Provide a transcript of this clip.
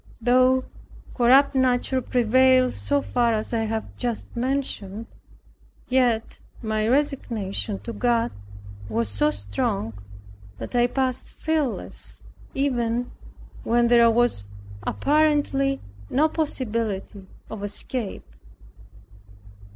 Though corrupt nature prevailed so far as I have just mentioned, yet my resignation to God was so strong, that I passed fearless, even where there was apparently no possibility of escape.